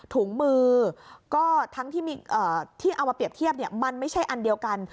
ถุงมือก็ทั้งที่เอามาเปรียบเทียบมันไม่ใช่อันเดียวกัน